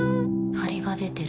ハリが出てる。